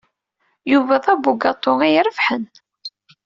Yuba d abugaṭu ay irebḥen.